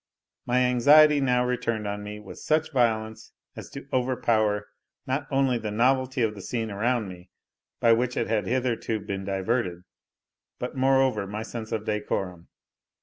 My anxiety now returned on me with such violence as to overpower not only the novelty of the scene around me, by which it had hitherto been diverted, but moreover my sense of decorum.